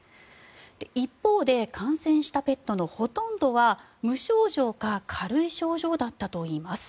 一方で感染したペットのほとんどは無症状か軽い症状だったといいます。